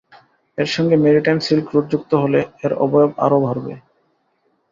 এর সঙ্গে maritime silk road যুক্ত হলে এর অবয়ব আরও বাড়বে।